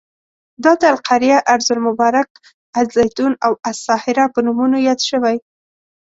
دا د القریه، ارض المبارک، الزیتون او الساهره په نومونو یاد شوی.